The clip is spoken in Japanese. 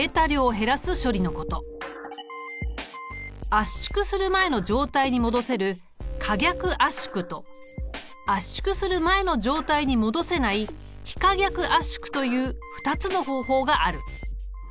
圧縮する前の状態に戻せる可逆圧縮と圧縮する前の状態に戻せない非可逆圧縮という２つの方法がある。